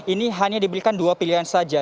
ini hanya diberikan dua pilihan saja